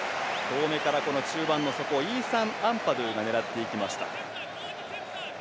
遠めから中盤の底イーサン・アンパドゥが狙っていきました。